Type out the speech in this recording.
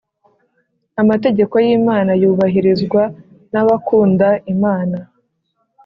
amategeko y Imana yubahirizwa nabakunda imana